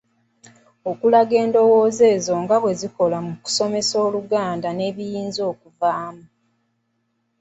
Okulaga endowooza ezo nga bwe zikola ku nsomesa y’Oluganda nebyo ebiyinza okuvaamu.